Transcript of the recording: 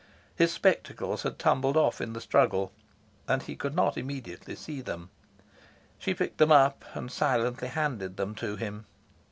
His spectacles had tumbled off in the struggle, and he could not immediately see them. She picked them up and silently handed them to him.